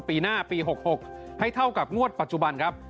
ปีหน้าปี๖๖ให้เท่ากับงวดปัจจุบันครับ